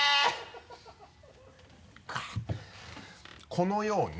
このように。